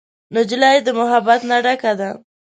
نجلۍ د محبت نه ډکه ده.